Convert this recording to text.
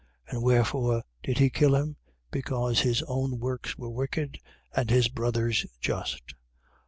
And wherefore did he kill him? Because his own works were wicked: and his brother's just.